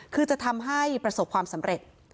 คือจะทำให้ประสบความสำเร็จ